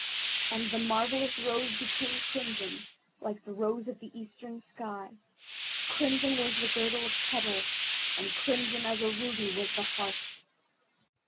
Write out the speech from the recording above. And the marvellous rose became crimson, like the rose of the eastern sky. Crimson was the girdle of petals, and crimson as a ruby was the heart.